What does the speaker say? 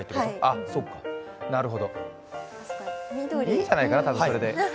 いいんじゃないかなたぶんそれで。